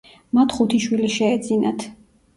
მათ ხუთი შვილი შეეძინათ.